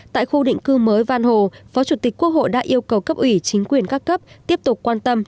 tại khu định cư mới văn hồ phó chủ tịch quốc hội đã yêu cầu cấp ủy chính quyền các cấp tiếp tục quan tâm